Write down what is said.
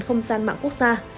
không gian mạng quốc gia